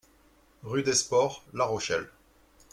Rue DES SPORTS, La Rochelle